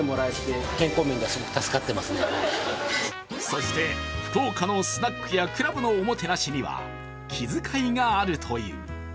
そして、福岡のスナックやクラブのおもてなしには気遣いがあるという。